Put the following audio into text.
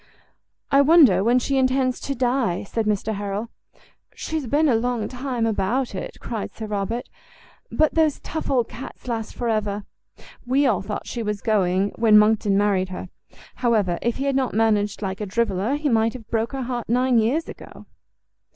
"I wonder when she intends to die," said Mr Harrel. "She's been a long time about it," cried Sir Robert; "but those tough old cats last for ever. We all thought she was going when Monckton married her; however, if he had not managed like a driveler, he might have broke her heart nine years ago."